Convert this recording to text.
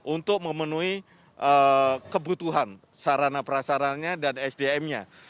untuk memenuhi kebutuhan sarana prasaranya dan sdm nya